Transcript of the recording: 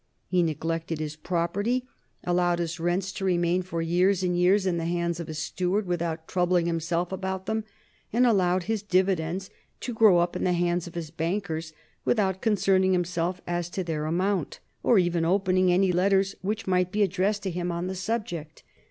He neglected his property, allowed his rents to remain for years and years in the hands of his steward, without troubling himself about them, and allowed his dividends to grow up in the hands of his bankers without concerning himself as to their amount, or even opening any letters which might be addressed to him on the subject.